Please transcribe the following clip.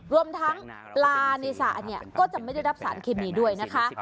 รวมทั้งปลาในสระเนี่ยก็จะไม่ได้รับสารเคมีด้วยนะคะ